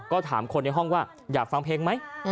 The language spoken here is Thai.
ก็ถามคนในห้องว่าอยากฟังเพลงไหม